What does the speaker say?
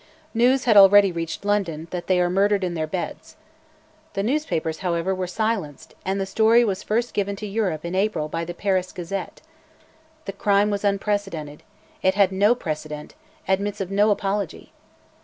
News had already reached London "that they are murdered in their beds." The newspapers, however, were silenced, and the story was first given to Europe in April by the 'Paris Gazette.' The crime was unprecedented: it had no precedent, admits of no apology.